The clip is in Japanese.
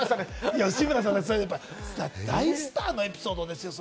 吉村さんと言ったら大スターのエピソードですよ。